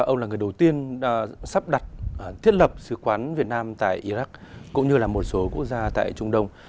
châu âu là người đầu tiên sắp đặt thiết lập sứ quán việt nam tại iraq cũng như là một số quốc gia tại trung đông